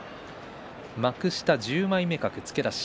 幕下十枚目格付け出し